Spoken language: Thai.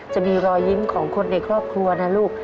จะมีรอยยิ้มของคนในครอบครัวนะลูก